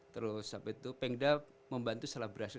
terus sampai itu pengda membantu setelah berhasil